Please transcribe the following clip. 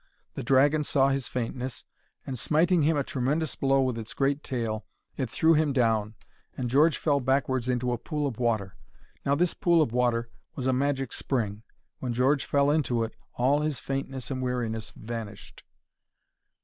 The dragon saw his faintness, and smiting him a tremendous blow with its great tail, it threw him down, and George fell backwards into a pool of water. Now this pool of water was a magic spring. When George fell into it, all his faintness and weariness vanished.